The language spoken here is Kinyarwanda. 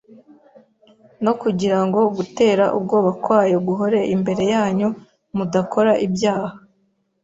no kugira ngo gutera ubwoba kwayo guhore imbere yanyu mudakora ibyaha.